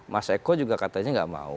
mas eko juga katanya nggak mau